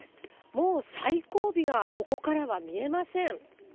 もう最後尾がここからは見えません。